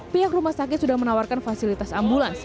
pihak rumah sakit sudah menawarkan fasilitas ambulans